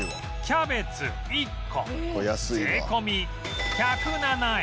キャベツ１個税込１０７円